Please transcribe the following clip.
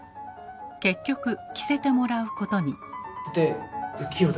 結局着せてもらうことに。